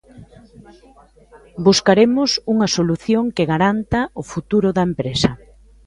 Buscaremos unha solución que garanta o futuro da empresa.